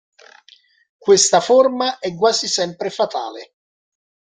Questa forma è quasi sempre fatale.